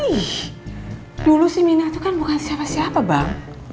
ih dulu si mina itu kan bukan siapa siapa bang